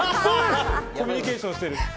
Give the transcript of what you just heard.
コミュニケーションしてる。